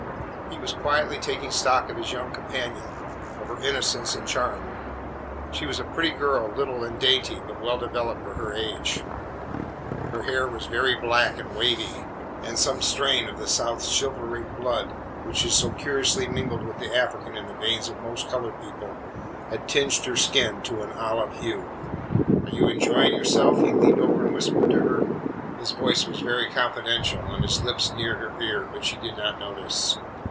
He was quietly taking stock of his young companion, of her innocence and charm. She was a pretty girl, little and dainty, but well developed for her age. Her hair was very black and wavy, and some strain of the South's chivalric blood, which is so curiously mingled with the African in the veins of most coloured people, had tinged her skin to an olive hue. "Are you enjoying yourself?" he leaned over and whispered to her. His voice was very confidential and his lips near her ear, but she did not notice.